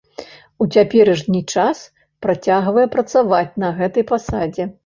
У цяперашні час працягвае працаваць на гэтай пасадзе.